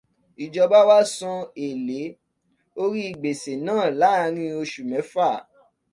Ìjọba wa san èlé orí gbèsè náà láàrin oṣù mẹ́fà.